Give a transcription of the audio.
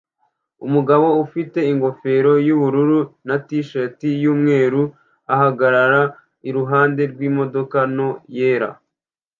Umugabo ufite ingofero yubururu na t-shirt yumweru ahagarara iruhande rwimodoka nto yera